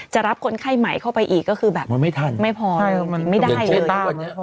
จะรับคนไข้ใหม่เข้าไปอีกก็คือแบบไม่พอไม่ได้เลย